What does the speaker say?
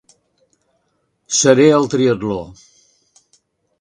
Seré al triatló.